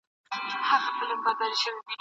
هغه په خپل ليکني او تېر عمر سره مشهور سو.